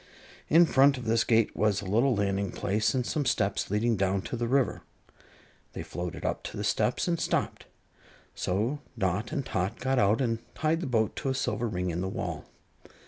In front of this gate was a little landing place and some steps leading down to the river. They floated up to the steps and stopped, so Dot and Tot got out and tied the boat to a silver ring in the wall.